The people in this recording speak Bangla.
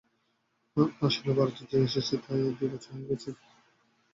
আসলে, ভারতে এসেছে যে তার দুই বছর হয়ে গেছে।